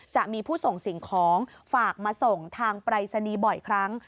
จะมีผู้ส่งสิ่งของฝากมาส่งทางปรายศนีย์บ่อยครั้ง